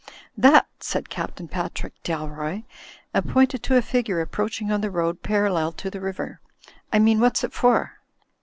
*'That!" said Captain Patrick Dalroy, and pointed to a figure approaching on the road parallel to the river, "I mean, what's it for?"